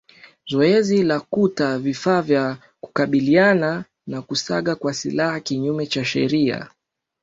zoezi lakuta vifaa vya kukabiliana na kusaga kwa silaha kinyume cha sheria